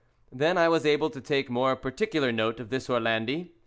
Then I was able to take more particular note of this Orlandi.